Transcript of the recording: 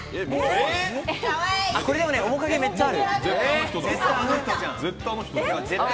これ、でも面影めっちゃある。